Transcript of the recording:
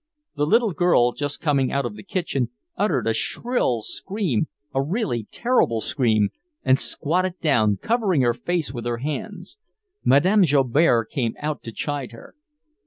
The little girl, just coming out of the kitchen, uttered a shrill scream, a really terrible scream, and squatted down, covering her face with her hands. Madame Joubert came out to chide her.